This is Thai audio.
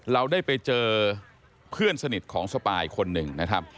เราได้ไปเจอเพื่อนสนิทของสปายคนหนึ่งนะครับ